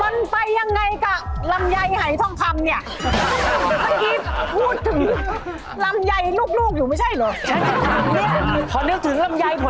มันไปยังไงกับลำไยหายทองคำเนี่ย